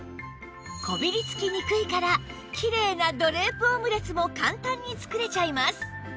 こびりつきにくいからきれいなドレープオムレツも簡単に作れちゃいます